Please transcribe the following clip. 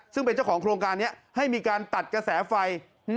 ซึ่งเป็นเจ้าของโครงการนี้ให้มีการตัดกระแสไฟ